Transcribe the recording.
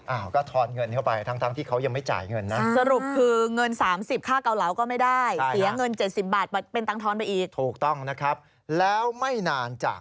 อ้าวก็ทอนเงินเข้าไปทั้งที่เขายังไม่จ่ายเงินนะ